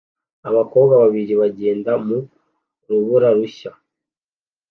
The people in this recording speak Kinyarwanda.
Abakobwa babiri bagenda mu rubura rushya